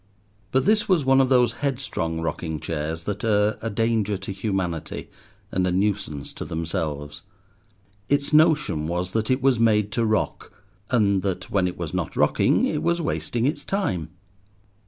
But this was one of those headstrong rocking chairs that are a danger to humanity, and a nuisance to themselves. Its notion was that it was made to rock, and that when it was not rocking, it was wasting its time.